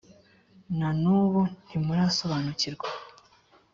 na n’ubu ntimurasobanukirwa